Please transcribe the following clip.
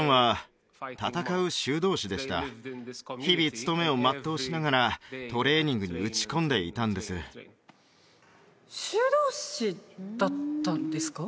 日々務めを全うしながらトレーニングに打ち込んでいたんです修道士だったんですか？